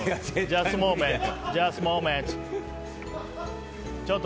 ジャストモーメントと。